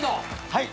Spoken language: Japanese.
はい。